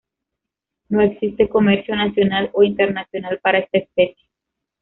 No existe comercio nacional o internacional para esta especie.